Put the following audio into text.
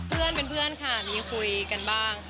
เพื่อนเป็นเพื่อนค่ะมีคุยกันบ้าง